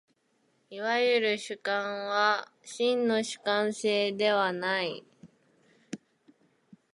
いわゆる主観は真の主観性ではない。